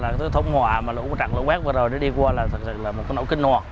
là cái thứ thống họa mà lũ trận lũ quét vừa rồi nó đi qua là thật sự là một cái